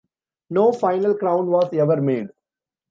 No final crown was ever made.